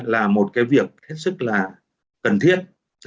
là một việc thiết sức là cần thiết